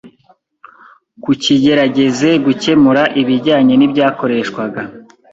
ku kigerageze gukemura ibijyanye n’ibyakoreshwaga.